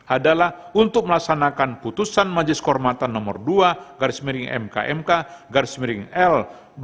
adalah untuk melaksanakan putusan majelis kehormatan nomor dua garis miring mkmk garis miring l dua ribu dua puluh